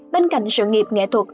bên cạnh sự nghiệp nghệ thuật